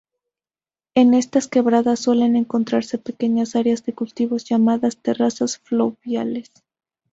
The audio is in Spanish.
En estas quebradas suelen encontrarse pequeñas áreas de cultivos llamadas terrazas fluviales.